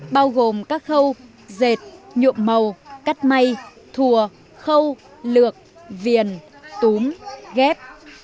bao gồm các khâu dệt nhuộm màu cắt may thùa khâu lược viền túm ghét